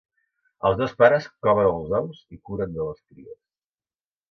Els dos pares coven els ous i curen de les cries.